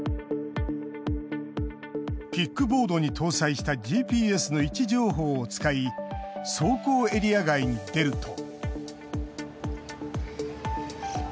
キックボードに搭載したＧＰＳの位置情報を使い走行エリア外に出ると。